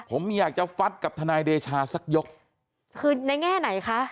ผมอยากจะฟัดกับทนายเดชาสักยกคือในแง่ไหนคะ